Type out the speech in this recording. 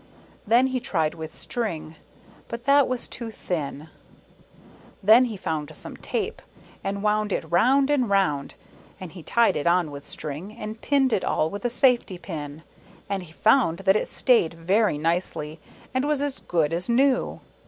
Then he tried with string, but that was too thin. Then he found some tape ; and he wound it round and round, and he tied it on with string, and pinned it all with a safety pin ; and he found that it stayed very nicely, and was as good as new.